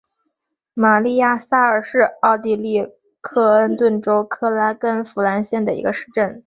玛丽亚萨尔是奥地利克恩顿州克拉根福兰县的一个市镇。